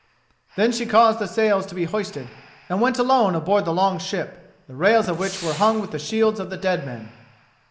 Then she caused the sails to be hoisted, and went alone aboard the long ship, the rails of which were hung with the shields of the dead men.